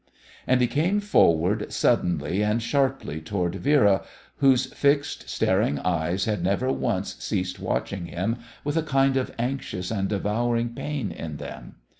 And he came forward suddenly and sharply toward Vera, whose fixed, staring eyes had never once ceased watching him with a kind of anxious and devouring pain in them.